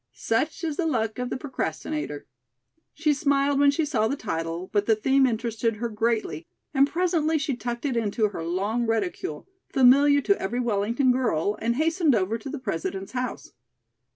Such is the luck of the procrastinator. She smiled when she saw the title, but the theme interested her greatly, and presently she tucked it into her long reticule, familiar to every Wellington girl, and hastened over to the President's house.